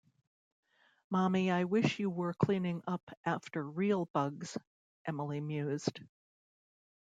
"Mommy, I wish you were cleaning up after real bugs," Emily mused